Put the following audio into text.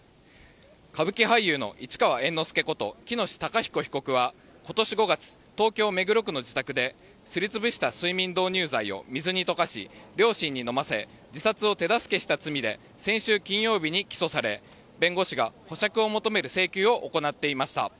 歌舞伎俳優の市川猿之助こと喜熨斗孝彦被告は今年５月、東京・目黒区の自宅ですり潰した睡眠導入剤を水に溶かし両親に飲ませ自殺を手助けした罪で先週金曜日に起訴され弁護士が保釈を求める請求を行っていました。